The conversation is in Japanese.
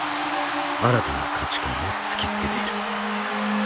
新たな価値観を突きつけている。